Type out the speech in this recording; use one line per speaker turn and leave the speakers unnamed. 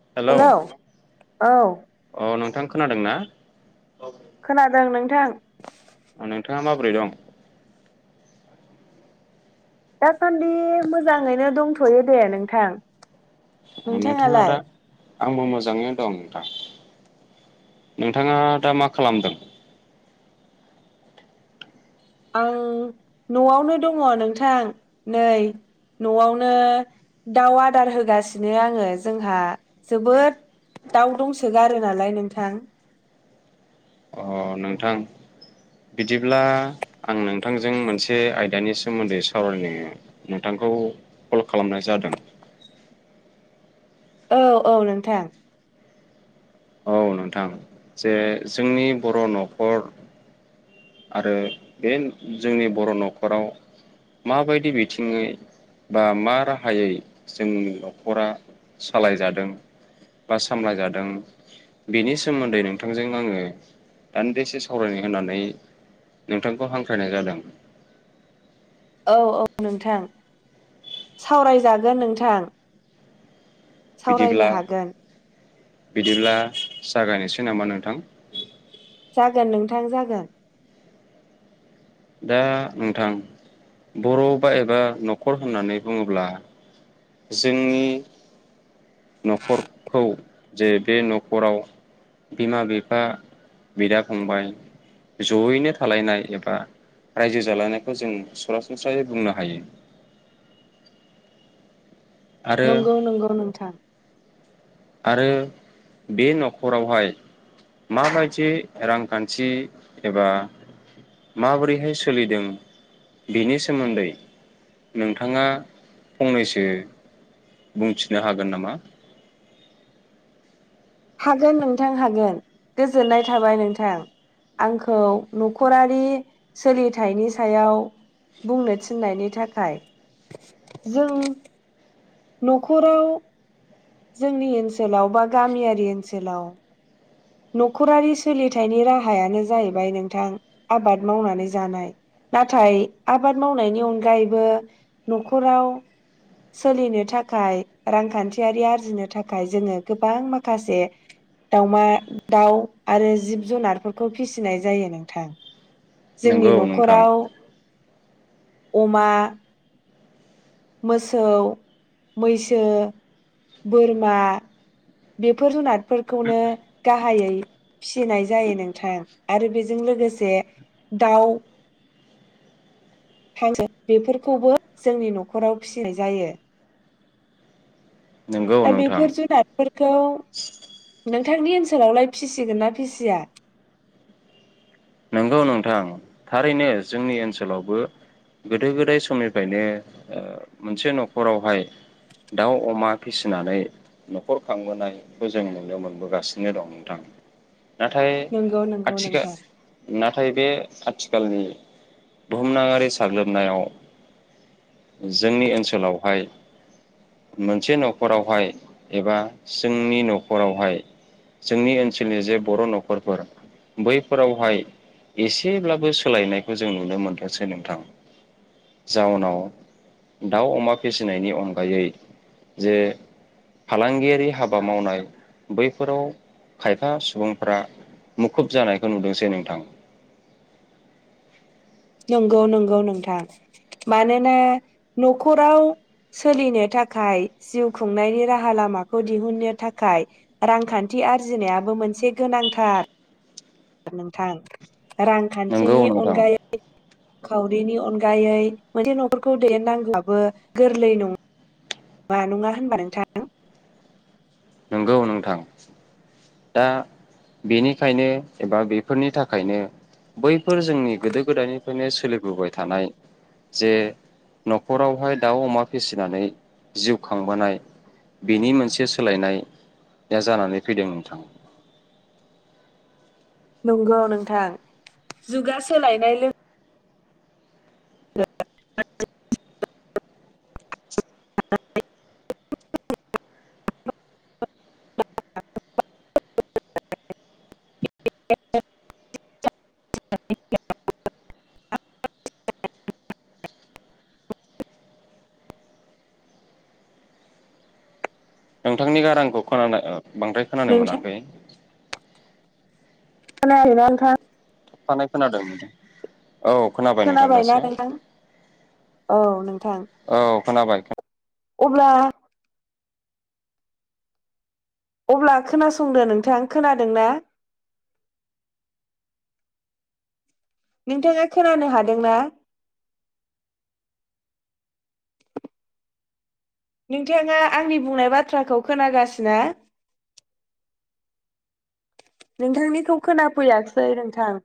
Hello
हेल औ
खोनादोंना
खोनादों नोंथां
नोंथाङा माबोरै दं
दासान्दि मोजाङैनो दंथयो दे नोंथां
नोंथाङा दा
नोंथांआलाय
आंबो मोजाङैनो दं नोंथां नोंथाङा दा मा खालामदों
आं नआवनो दङ नोंथां नै नआवनो दाउ आदार होगासिनो आङो जोंहा जोबोद दाउ दंसोगारो नालाय नोंथां
अ नोंथां बिदिब्ला आं नोंथांजों मोनसे आयदानि सोमोन्दै सावरायनो नोंथांखौ कल खालामनाय जादों
औ - औ नोंथां
औ नोंथां जे जोंनि बर नखर आरो बे जोंनि बर नखराव माबायदि बिथिङै बा मा राहायै जोंनि नखरा सालायजादों बा सामलायजादों बेनि सोमोन्दै नोंथांजों आङो दान्दिसे सावरायनो होननानै नोंथांखौ हांख्रायनाय जादों
औ - औ नोंथां सावरायजागोन नोंथां
बिदिब्ला
सावरायनो हागोन
बिदिब्ला जागायनोसै नामा नोंथां
जागोन नोंथां जागोन
दा नोंथां बर बा एबा नखर होननानै बुङोब्ला जोंनि नखरखौ जे बे नखराव बिमा बिफा बिदा फंबाय जयैनो थालायनाय एबा रायजो जालायनायखौ जों सरासनस्रायै बुंनो हायो आरो
नंगौ नंगौ नोंथां
आरो बे नखरावहाय माबायदि रांखान्थि एबा माबोरैहाय सोलिदों बेनि सोमोन्दै नोंथाङा फंनैसो बुंथिनो हागोन नामा
हागोन नोंथां हागोन गोजोननाय थाबाय नोंथां। आंखौ न'खरारि सोलिथायनि सायाव बुंनो थिन्नायनि थाखाय जों न'खराव जोंनि ओनसोलाव बा गामियारि ओनसोलाव न'खरारि सोलिथायनि राहायानो जाहैबाय नोंथां आबाद मावनानै जानाय नाथाय आबाद मावनायनि अनगायैबो न'खराव सोलिनो थाखाय रांखान्थियारि आरजिनो थाखाय जोङो गोबां माखासे दाउमा दाउ आरो जिब जुनारफोरखौ फिसिनाय जायो नोंथां। जोंनि
नंगौ नोंथां
न'खराव अमा, मोसौ, मैसो, बोरमा बेफोर जुनारफोरखौनो गाहायै फिनाय जायो नोंथां आरो बेजों लोगोसे दाउ हांसो बेफोरखौबो जोंनि न'खराव फिनाय जायो।
नंगौ
दा
नोंथां
बेफोर जुनार फोर खौ नोंथांनि ओनसोलावलाय फिसिगोन ना फिसिया?
नंगौ नोंथां थारैनो जोंनि ओनसोलावबो गोदो गोदाय समनिफ्रायनो ओ मोनसे न'खरावहाय दाउ अमा फिसिनानै न'खर खांबोनायखौ जों नुनो मोनबोगासिनो दं नोंथां। नाथाय
नंगौ नंगौ
आथिखाल
नोंथां
नाथाय बे आथिखालनि बुहुमनाङारि साग्लोबनायाव जोंनि ओनसोलावहाय मोनसे न'खरावहाय एबा जोंनि न'खरावहाय जोंनि ओनसोलनि जे बर' न'खरफोर बैफोरावहाय एसेब्लाबो सोलायनायखौ जों नुनो मोनदोंसै नोंथां जाउनाव दाउ अमा फिसिनायनि अनगायै जे फालांगियारि हाबा मावनाय बैफोराव खायफा सुबुंफ्रा मुखुब जानायखौ नुदोंसै नोंथां।
नंगौ नंगौ नोंथां मानोना न'खराव सोलिनो थाखाय जिउ खुंनायनि राहा लामाखौ दिहुननो थाखाय रांखान्थि आरजिनायाबो मोनसे गोनांथार नोंथां।
नंगौ
रांखान्थिनि
नोंथां
अनगायै खावरिनि अनगायै मोनसे न'फोरखौ दैदेननांगौआबो गोरलै नङा नङा होनबा नोंथां।
नंगौ नोंथां दा बेनिखायनो एबा बेफोरनि थाखायनो बैफोर जोंनि गोदो गोदायनिफ्रायनो सोलिबोबाय थानाय जे न'खरावहाय दाउ अमा फिसिनानै जिउ खांबोनाय बेनि मोनसे सोलायनाया जानानै फैदों नोंथां।
नंगौ नोंथां जुगा सोलायनाय लोगो [unintelligible] [unintelligible] [inaudible]
नोंथांनि गारांखौ खोनानाय ओ बांद्राय खोनानो
नोंथां
मोनाखै?
[unintelligible] खोनायाखैना नोंथां?
थाबथानाय खोनादोंमोन।
खोनाबायना नोंथां औ नोंथां।
औ खोनाबाय।
अब्ला अब्ला खोनासंदो नोंथां खोनादों ना? नोंथाङा खोनानो हादोंना? नोंथाङा आंनि बुंनाय बाथ्राखौ खोनागासिना? नोंथांनिखौ खोनाफैयाखिसै नोंथां।